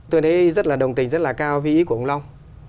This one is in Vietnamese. tôi thấy rất là đồng tình rất là cao với ý của ông long